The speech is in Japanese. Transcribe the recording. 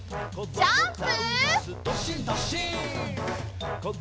ジャンプ！